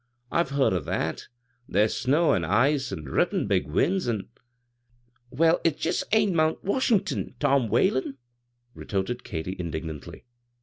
" I've beard o' that There's snow an' ice an' rippin' big winds, an' " "Well, it jest ain't Mount Washin'ton, Tom Whalen," retorted Katy, indignantly.